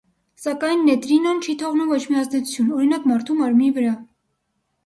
Սակայն նեյտրինոն չի թողնում ոչ մի ազդեցություն, օրինակ, մարդու մարմնի վրա։